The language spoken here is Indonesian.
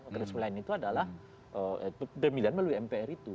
mekanisme lain itu adalah pemilihan melalui mpr itu